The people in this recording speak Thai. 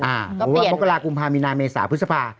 หรือว่าโมการาคุมภามินาเมสาพฤษภา